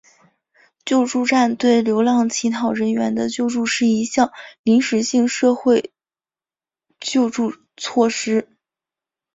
救助站对流浪乞讨人员的救助是一项临时性社会救助措施。